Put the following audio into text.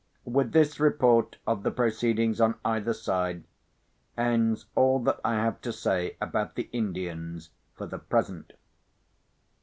With this report of the proceedings on either side, ends all that I have to say about the Indians for the present.